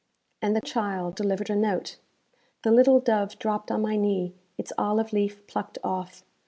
And the child delivered a note. The little dove dropped on my knee, its olive leaf plucked off.